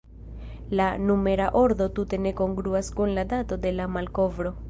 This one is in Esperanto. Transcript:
La numera ordo tute ne kongruas kun la dato de la malkovro.